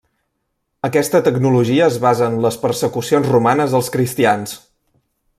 Aquesta tecnologia es basa en les persecucions romanes als cristians.